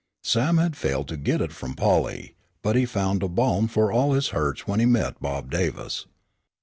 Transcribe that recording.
Sam had failed to get it from Polly, but he found a balm for all his hurts when he met Bob Davis.